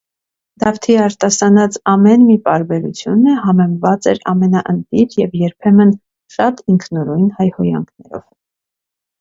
Դավթի արտասանած ամեն մի պարբերությունը համեմված էր ամենաընտիր և երբեմն շատ ինքնուրույն հայհոյանքներով: